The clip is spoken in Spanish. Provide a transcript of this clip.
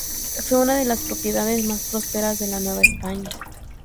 Fue una de las propiedades más prósperas de la Nueva España.